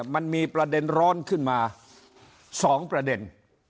มันมีประเด็นร้อนขึ้นมา๒ประเด็น